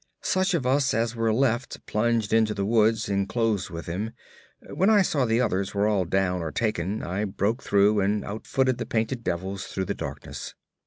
'Such of us as were left plunged into the woods and closed with them. When I saw the others were all down or taken, I broke through and outfooted the painted devils through the darkness.